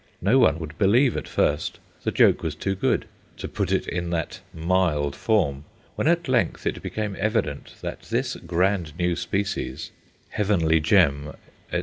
No one would believe at first; the joke was too good to put it in that mild form. When at length it became evident that this grand new species, heavenly gem, &c.